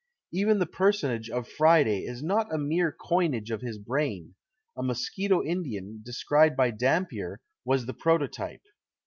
Even the personage of Friday is not a mere coinage of his brain: a Mosquito Indian, described by Dampier, was the prototype.